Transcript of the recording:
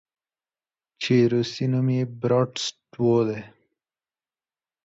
چې روسي نوم ئې Bratstvoدے